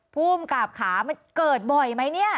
ภูมิกับขามันเกิดบ่อยไหมเนี่ย